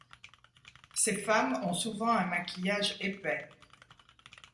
Ses femmes ont souvent un maquillage épais.